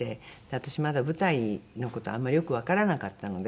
私まだ舞台の事あんまりよくわからなかったので。